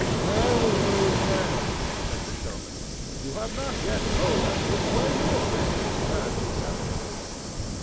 "Well, old friend," said the showman, "you have not yet told us which way your face is turned this afternoon."